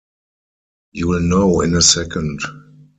You'll know in a second.